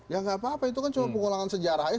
ya gak apa apa itu kan cuma pengulangan sejarahnya